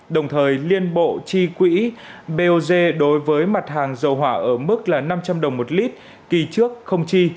đồng thời liên bộ chi quỹ bog đối với mặt hàng dầu hỏa ở mức là năm trăm linh đồng một lít kỳ trước không chi